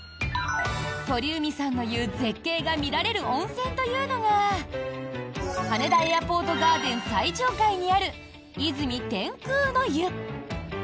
鳥海さんの言う絶景が見られる温泉というのが羽田エアポートガーデン最上階にある泉天空の湯。